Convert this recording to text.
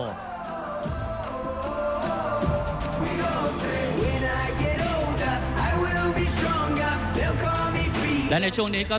ท่านแรกครับจันทรุ่ม